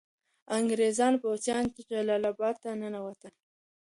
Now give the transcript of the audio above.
انګریز پوځیان جلال اباد ته ننوتل.